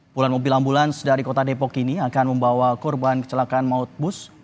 puluhan mobil ambulans dari kota depok ini akan membawa korban kecelakaan maut bus